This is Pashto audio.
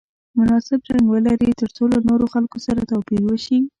مناسب رنګ ولري ترڅو له نورو خلکو سره توپیر وشي.